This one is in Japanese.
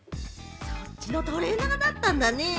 そっちのトレーナーだったんだね！